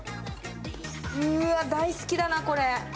うわ、大好きだな、これ。